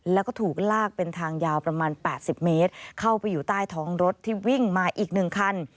แล้วก็ถูกลากเป็นทางยาวประมาณ๘๐เมตรเข้าไปอยู่ใต้ท้องรถที่วิ่งมาอีก๑คัน